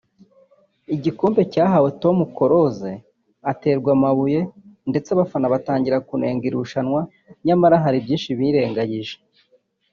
igikombe cyahawe Tom Close aterwa amabuye ndetse abafana batangira kunenga iri rushanwa nyamara hari byinshi birengagije